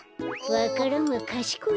わか蘭はかしこい